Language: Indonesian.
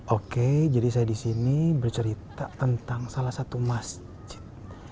oke jadi saya di sini bercerita tentang salah satu masjid